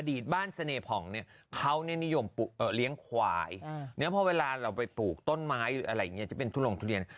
อดีตบ้านเสน่ห์ผองเนี้ยเขาเนี้ยนิยมปลูกเอ่อเลี้ยงขวายอืมเนี้ยพอเวลาเราไปปลูกต้นไม้อะไรอย่างเงี้ยจะเป็นทุลงทุเรียน